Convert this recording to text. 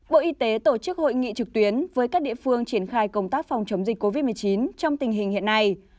bộ y tế tổ chức hội nghị trực tuyến với các địa phương triển khai công tác phòng chống dịch covid một mươi chín trong tình hình hiện nay